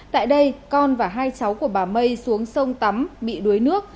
tại đây con và hai cháu của bà mây xuống sông tắm bị đuối nước